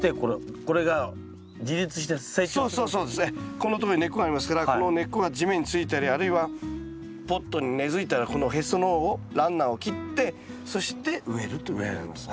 このとこに根っこがありますからこの根っこが地面についたりあるいはポットに根づいたらこのへその緒をランナーを切ってそして植えるということになります。